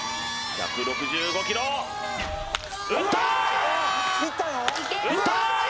１６５キロ打った